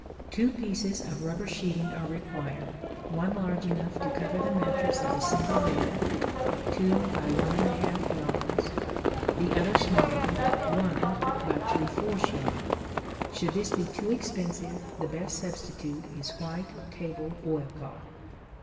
Two pieces of Rubber Sheeting are required, one large enough to cover the mattress of a single bed (2 x 1 1/2 yds.), the other smaller (1 x 3/4 yd.). Should this be too expensive, the best substitute is white table oil cloth.